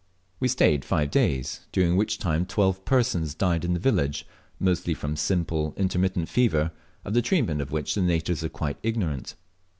We Staved five days, during which time twelve persons died in the village, mostly from simple intermittent fever, of the treatment of which the natives are quite ignorant.